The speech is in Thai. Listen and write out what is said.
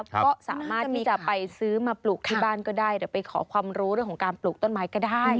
ก็สามารถที่จะไปซื้อมาปลูกที่บ้านก็ได้เดี๋ยวไปขอความรู้เรื่องของการปลูกต้นไม้ก็ได้